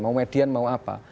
mau median mau apa